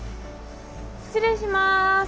失礼します。